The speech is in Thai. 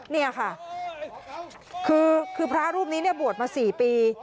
นี่ค่ะคือพระรูปนี้เนี่ยบวชมา๔ปี